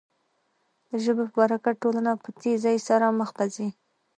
د ژبې په برکت ټولنه په تېزۍ سره مخ ته ځي.